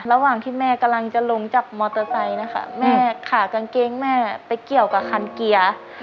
ระหว่างที่แม่กำลังจะลงจากมอเตอร์ไซค์นะคะแม่ขากางเกงแม่ไปเกี่ยวกับคันเกียร์